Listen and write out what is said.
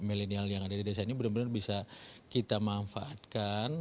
milenial yang ada di desa ini benar benar bisa kita manfaatkan